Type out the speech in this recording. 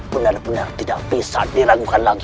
benar benar tidak bisa diragukan lagi